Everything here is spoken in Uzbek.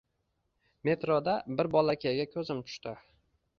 Metroda bir bolakayga koʻzim tushdi.